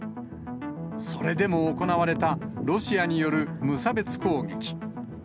それでも行われた、ロシアによる無差別攻撃。